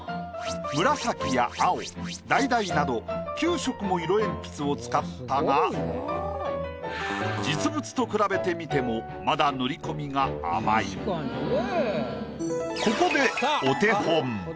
紫や青だいだいなど９色も色鉛筆を使ったが実物と比べてみてもまだここでお手本。